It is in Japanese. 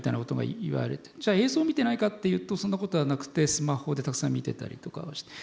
じゃあ映像を見てないかっていうとそんなことはなくてスマホでたくさん見てたりとかして。